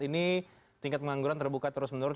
ini tingkat pengangguran terbuka terus menurun